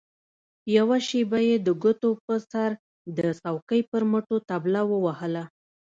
يوه شېبه يې د ګوتو په سر د چوکۍ پر مټو طبله ووهله.